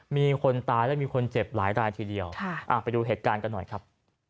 มีคนตายและมีคนเจ็บหลายรายทีเดียวไปดูเหตุการณ์กันหน่อยครับ